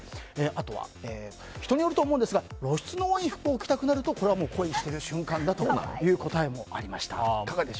あとは、人によると思いますが露出の多い服を着なくなるとこれは恋してる瞬間だなという答えもありました。